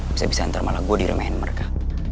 bisa bisa ntar malah gue diremehin mereka